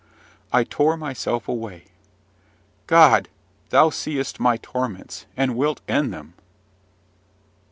I tore myself away. God, thou seest my torments, and wilt end them!